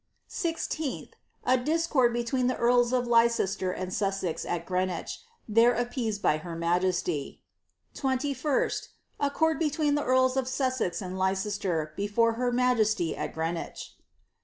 ~ IGth, a discord between the earls of Leicester and Sussex at Green wich, there appeased by her majesty." "21 St, Accord between the f^rls of Sussex and Leicester before her majesty al Greenwich."